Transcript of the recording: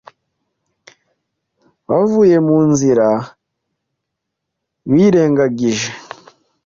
bavuye mu nzira birengagije